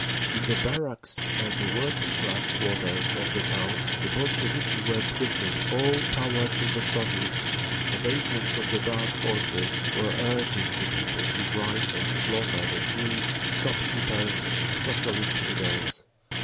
In the barracks and the working class quarters of the town the Bolsheviki were preaching, "All Power to the Soviets!" and agents of the Dark Forces were urging the people to rise and slaughter the Jews, shop keepers, Socialist leaders….